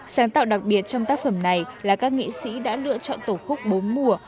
sáng tạo đặc biệt trong tác phẩm này là các nghệ sĩ đã lựa chọn tổ khúc bốn mùa